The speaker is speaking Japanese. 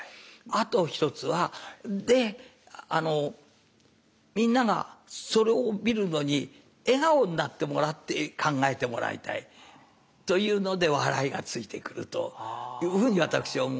あと１つはであのみんながそれを見るのに笑顔になってもらって考えてもらいたいというので笑いがついてくるというふうに私は思うんです。